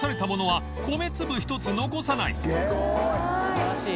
素晴らしい。